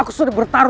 aku tidak perlu